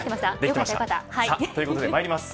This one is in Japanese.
ということでまいります。